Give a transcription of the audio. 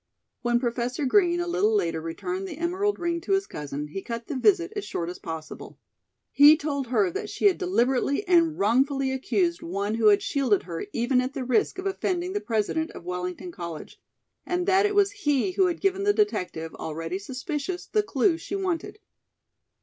When Professor Green a little later returned the emerald ring to his cousin, he cut the visit as short as possible. He told her that she had deliberately and wrongfully accused one who had shielded her even at the risk of offending the President of Wellington College, and that it was he who had given the detective, already suspicious, the clue she wanted.